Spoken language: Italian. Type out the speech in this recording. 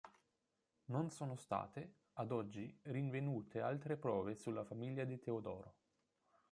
Non sono state ad oggi rinvenute altre prove sulla famiglia di Teodoro.